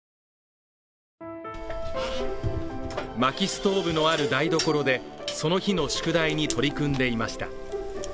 薪ストーブのある台所で、その日の宿題に取り組んでいました。